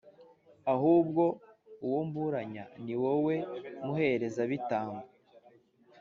ahubwo uwo mburanya, ni wowe, muherezabitambo!